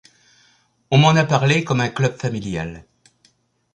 On m'en a parlé comme un club familial.